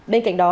bên cạnh đó